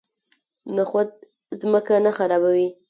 نخود ځمکه نه خرابوي.